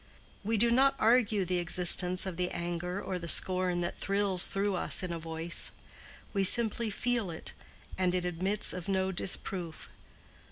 We do not argue the existence of the anger or the scorn that thrills through us in a voice; we simply feel it, and it admits of no disproof.